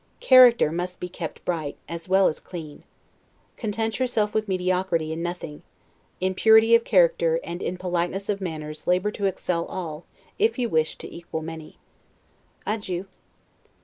Character must be kept bright, as well as clean. Content yourself with mediocrity in nothing. In purity of character and in politeness of manners labor to excel all, if you wish to equal many. Adieu.